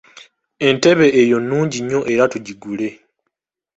Entebe eyo nnungi nnyo era tugigule.